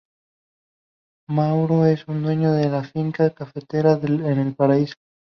Mauro es dueño de la finca cafetalera "El Paraíso".